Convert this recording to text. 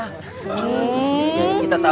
eh kita tahu